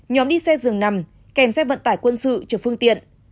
nhóm đi xe dường nằm kèm xe vận tải quân sự trừ phương tiện